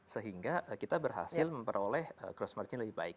sehingga kita berhasil memperoleh gross margin lebih baik